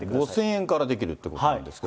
５０００円からできるということなんですね。